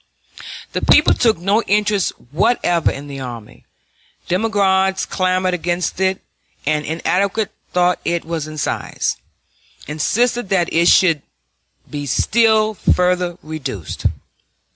The people took no interest whatever in the army; demagogues clamored against it, and, inadequate though it was in size, insisted that it should be still further reduced.